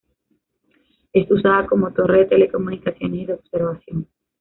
Es usada como torre de telecomunicaciones y de observación.